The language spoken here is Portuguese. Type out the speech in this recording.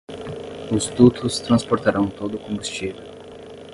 Os dutos transportarão todo o combustível